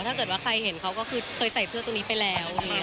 ถ้าเกิดว่าใครเห็นเขาก็คือเคยใส่เสื้อตรงนี้ไปแล้ว